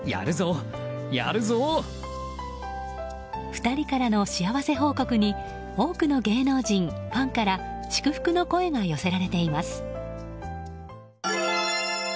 ２人からの幸せ報告に多くの芸能人、ファンから祝福の声が寄せられています。